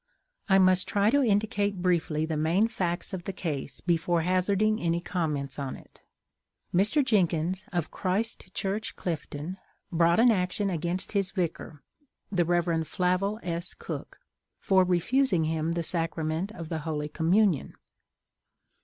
I must try to indicate briefly the main facts of the case, before hazarding any comments on it. Mr. Jenkins, of Christ Church, Clifton, brought an action against his vicar, the Kev. Flavel S. Cook, for refusing him the Sacrament of the Holy Communion.